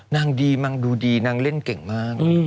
นางดีนางดูดีนางเล่นเก่งมาก